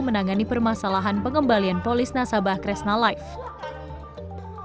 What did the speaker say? menangani permasalahan pengembalian polis nasabah kresna life